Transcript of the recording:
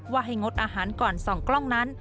ให้งดอาหารก่อน๒กล้องนั้น